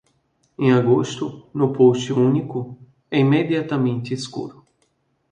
Em agosto, no post único, é imediatamente escuro.